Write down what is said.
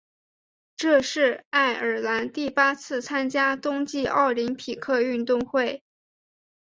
这是爱尔兰第八次参加冬季奥林匹克运动会。